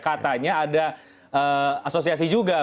katanya ada asosiasi juga